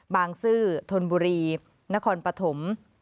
ซื่อธนบุรีนครปฐม